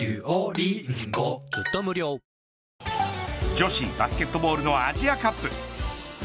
女子バスケットボールのアジアカップ。